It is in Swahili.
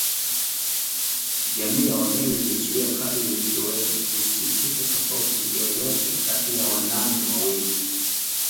Jamii ya Wameru ilizuia kadiri ilivyoweza kusizuke tofauti yoyote kati ya waname wawili